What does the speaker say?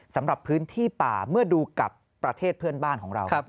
สำหรับพื้นที่ป่าเมื่อดูกับประเทศเพื่อนบ้านของเรา